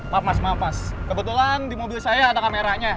maaf mas maaf mas kebetulan di mobil saya ada kameranya